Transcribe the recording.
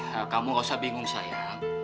ya kamu gak usah bingung sayang